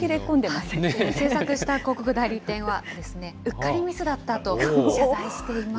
制作した広告代理店は、うっかりミスだったと、謝罪しています。